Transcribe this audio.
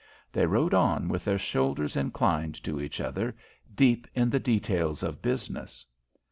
They rode on with their shoulders inclined to each other, deep in the details of business.